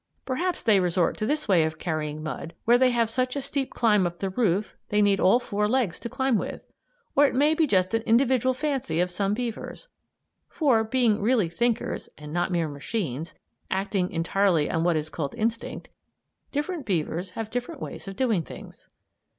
Perhaps they resort to this way of carrying mud where they have such a steep climb up the roof they need all four legs to climb with; or it may be just an individual fancy of some beavers. For, being really thinkers and not mere machines, acting entirely on what is called instinct, different beavers have different ways of doing things.